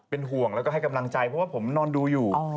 เป็นห่วงแล้วก็ให้กำลังใจเพราะว่าผมนอนดูอยู่